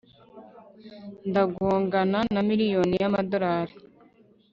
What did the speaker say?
ndagongana na miriyoni y'amadorari